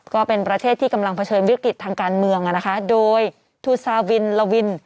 ก็เป็นประเทศที่กำลังเผชิญวิกฤตทางการเมืองโดยทูซาวินละวิน